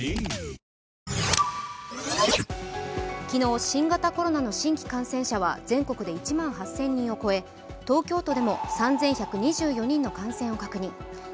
昨日、新型コロナの新規感染者は全国で１万８０００人を超え東京都でも３１２４人の感染を確認。